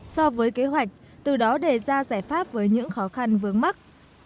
so với kế hoạch từ đó đề ra giải pháp với những khó khăn vướng mắt